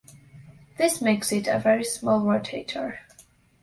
This makes it a very slow rotator.